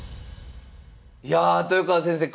いや豊川先生